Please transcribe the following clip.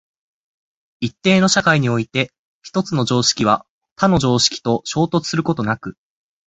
一定の社会において一つの常識は他の常識と衝突することなく、